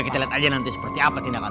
kalau masih sedih juga